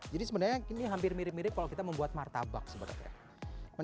jadi sebenarnya ini hampir mirip mirip kalau kita membuat martabak sebenarnya